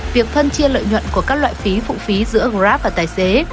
việc phân chia lợi nhuận của các loại phí phụ phí giữa grab và tài xế